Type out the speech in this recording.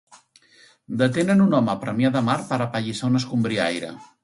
Detenen un home a Premià de Mar per apallissar un escombriaire.